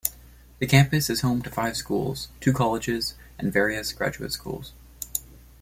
The campus is home to five schools, two colleges and various graduate schools.